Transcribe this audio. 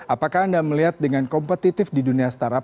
apakah anda melihat dengan kompetitif di dunia startup